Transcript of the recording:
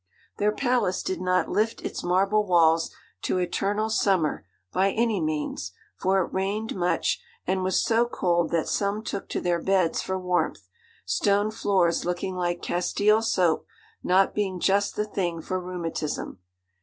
Their palace did not 'lift its marble walls to eternal summer' by any means; for it rained much, and was so cold that some took to their beds for warmth, stone floors looking like castile soap not being just the thing for rheumatism.